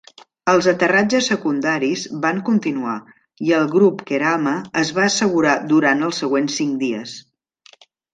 Els aterratges secundaris van continuar, i el grup Kerama es va assegurar durant els següents cinc dies.